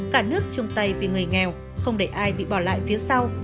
cả nước chung tay vì người nghèo không để ai bị bỏ lại phía sau